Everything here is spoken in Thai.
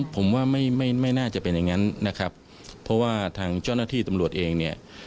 ผมว่าไม่ไม่น่าจะเป็นอย่างนั้นนะครับเพราะว่าทางเจ้าหน้าที่ตำรวจเองเนี่ย